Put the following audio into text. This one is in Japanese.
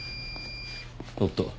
おっと。